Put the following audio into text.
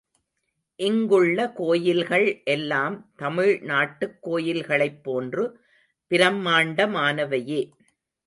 இங்குள்ள கோயில்கள் எல்லாம், தமிழ்நாட்டுக் கோயில்களைப் போன்று பிரம்மாண்டமானவையே.